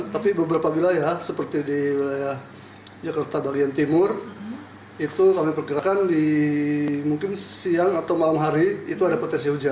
tapi beberapa wilayah seperti di wilayah jakarta bagian timur itu kami perkirakan di mungkin siang atau malam hari itu ada potensi hujan